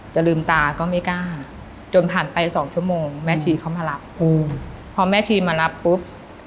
จะลืมตาก็ไม่กล้าจนผ่านไปสองชั่วโมงแม่ชีเขามารับพอแม่ชีมารับปุ๊บ